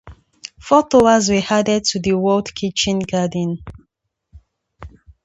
Four towers were added to the walled kitchen garden.